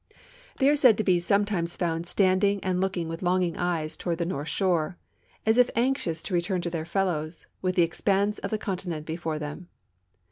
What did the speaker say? They are said to be sometimes found standing and look ing with longing eyes toward the north shore, as if anxious to return to their fellows, with the expanse of the continent before them.